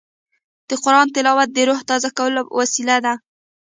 د قرآن تلاوت د روح تازه کولو وسیله ده.